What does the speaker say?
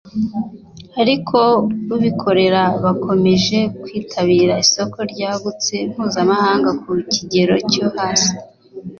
ariko abikorera bakomeje kwitabira isoko ryagutse mpuzamahanga ku kigero cyo hasi